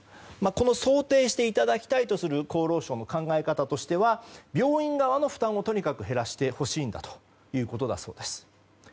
この想定していただきたいとする厚労省の考え方としては病院側の負担をとにかく減らしてほしいということです。